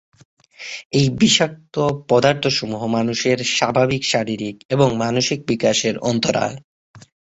এই বিষাক্ত পদার্থ সমূহ মানুষের স্বাভাবিক শারীরিক এবং মানসিক বিকাশের অন্তরায়।